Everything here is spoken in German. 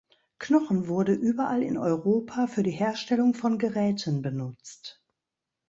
Knochen wurde überall in Europa für die Herstellung von Geräten benutzt.